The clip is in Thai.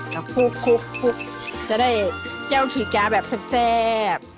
แล้วคลุกจะได้เจ้าขีกาแบบแซ่บ